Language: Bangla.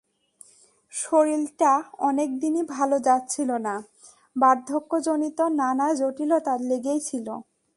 শরীরটা অনেক দিনই ভালো যাচ্ছিল না, বার্ধক্যজনিত নানা জটিলতা লেগেই ছিল।